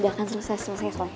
udah kan selesai selesai